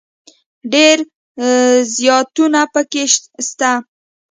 ډېر زياتونه پکښي سته.